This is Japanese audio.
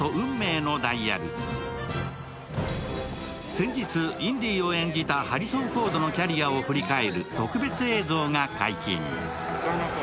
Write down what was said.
先日、インディを演じたハリソン・フォードのキャリアを振り返る特別映像が解禁。